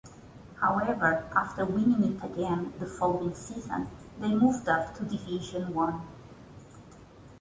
However, after winning it again the following season, they moved up to Division One.